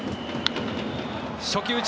初球打ち。